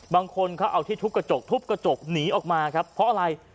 บางคนเขาเอาที่ทุบกระจกทุบกระจกหนีออกมาครับเพราะอะไร